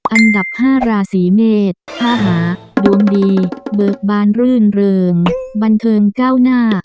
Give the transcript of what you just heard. อันดับ๕ราศีเมษภาหาดวงดีเบิกบานรื่นเริงบันเทิงก้าวหน้า